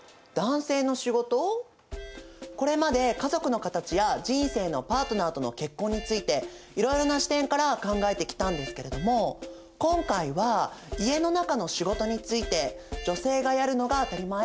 これまで家族のカタチや人生のパートナーとの結婚についていろいろな視点から考えてきたんですけれども今回は家の中の仕事について女性がやるのが当たり前？